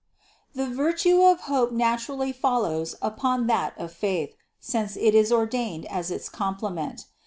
The virtue of hope naturally follows upon that of faith, since it is ordained as its complement.